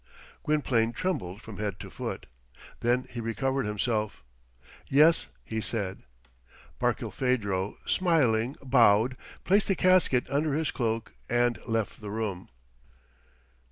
Gwynplaine trembled from head to foot. Then he recovered himself. "Yes," he said. Barkilphedro, smiling, bowed, placed the casket under his cloak, and left the room.